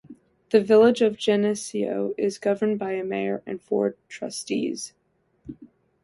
The village of Geneseo is governed by a mayor and four trustees.